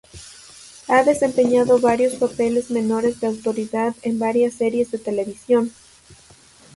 Ha desempeñado varios papeles menores de autoridad en varias series de televisión.